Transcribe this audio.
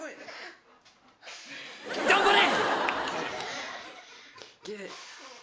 頑張れ！